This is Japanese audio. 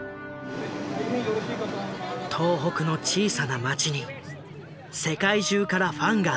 東北の小さな町に世界中からファンが集まった。